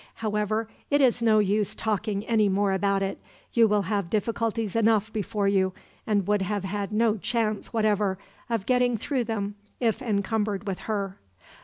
However, it is no use talking any more about it. You will have difficulties enough before you, and would have had no chance whatever of getting through them, if encumbered with her.